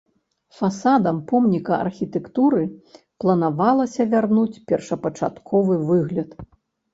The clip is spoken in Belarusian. Фасадам помніка архітэктуры планавалася вярнуць першапачатковы выгляд.